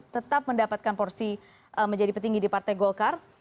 tetap mendapatkan porsi menjadi petinggi di partai golkar